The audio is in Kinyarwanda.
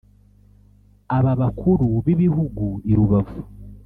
Aba bakuru b’ibihugu i Rubavu